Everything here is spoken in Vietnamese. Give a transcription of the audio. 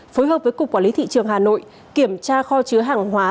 phối hợp với cục quản lý thị trường hà nội kiểm tra kho chứa hàng hóa